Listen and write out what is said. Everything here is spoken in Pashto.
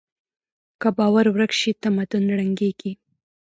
که باور ورک شي، تمدن ړنګېږي.